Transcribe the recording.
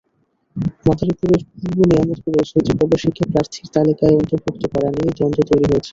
মাদারীপুরের পূর্ব নেয়ামতপুরে সৌদিপ্রবাসীকে প্রার্থীর তালিকায় অন্তর্ভুক্ত করা নিয়ে দ্বন্দ্ব তৈরি হয়েছে।